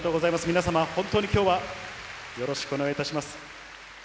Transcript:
皆様、本当にきょうはよろしくお願いいたします。